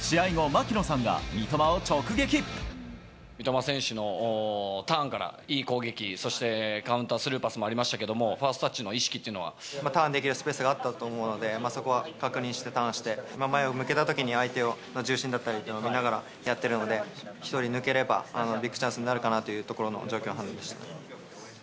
三笘選手のターンからいい攻撃、そしてカウンター、スルーパスもありましたけれども、ファーストタッチの意識っていうターンできるスペースがあったと思うので、そこは確認してターンして、前を向けたときに、相手の重心だったりというのを見ながらやっているので、１人抜ければビッグチャンスになるかなっていうところの判断でし